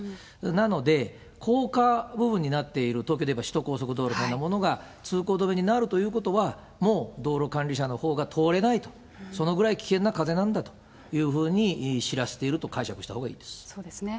なので、高架部分になっている、東京でいえば首都高速道路みたいなものが通行止めになるということは、もう道路管理者のほうが通れないと、それぐらい危険な風なんだというふうに知らせていると解釈したほそうですね。